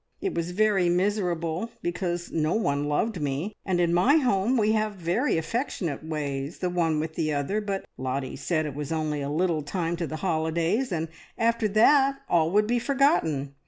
It was very miserable, because no one loved me, and in my home we have very affectionate ways, the one with the other; but Lottie said it was only a little time to the holidays, and after that all would be forgotten.